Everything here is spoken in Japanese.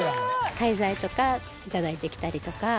廃材とか頂いてきたりとか。